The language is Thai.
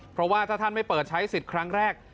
เพราะว่าถ้าท่านไม่เปิดใช้สิทธิ์ครั้งแรก